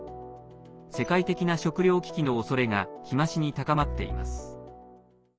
世界的な食糧危機のおそれが日増しに高まっています。